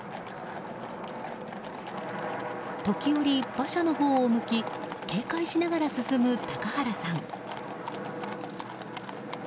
時折、馬車のほうを向き警戒しながら進む高原さん。